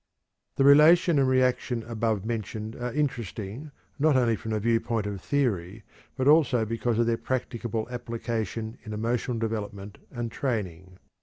The relation and reaction above mentioned are interesting not only from the viewpoint of theory but also because of their practicable application in emotional development and training.